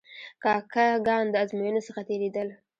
کاکه ګان د آزموینو څخه تیرېدل.